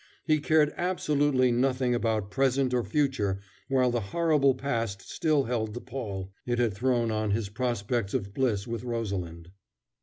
He cared absolutely nothing about present or future while the horrible past still held the pall it had thrown on his prospects of bliss with Rosalind.